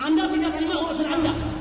anda binggar kelima maksud anda